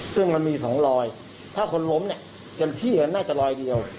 ซึ่งมันมีสองรอยถ้าคนหลมเนี่ยจนที่ก็น่าจะรอยเดียว